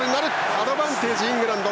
アドバンテージ、イングランド。